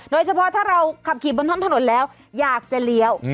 โดยเฉพาะถ้าเราขับขี่บนท้องถนนแล้วอยากจะเลี้ยว